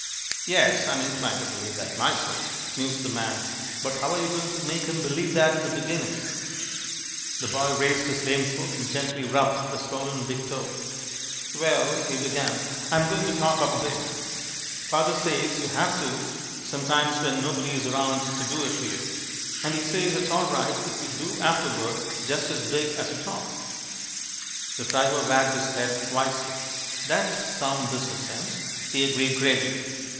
"Yes, I'm inclined to believe that myself," mused the man. "But how are you going to make him believe that in the beginning?" The boy raised his lame foot and gently rubbed the swollen big toe. "Well," he began, "I'm going to talk up big. Father says you have to sometimes when nobody's round to do it for you, and he says it's all right if you do afterward just as big as you talk." The driver wagged his head wisely. "That's sound business sense," he agreed, gravely.